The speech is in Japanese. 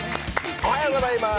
おはようございます。